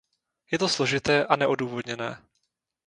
Je to složité a neodůvodněné.